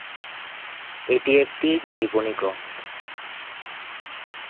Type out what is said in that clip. এটি একটি জীবনী গ্রন্থ।